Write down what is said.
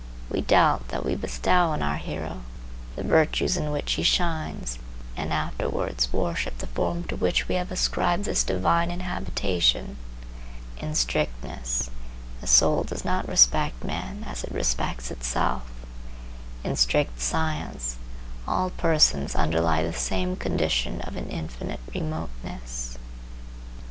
We doubt that we bestow on our hero the virtues in which he shines, and afterwards worship the form to which we have ascribed this divine inhabitation. In strictness, the soul does not respect men as it respects itself. In strict science all persons underlie the same condition of an infinite remoteness.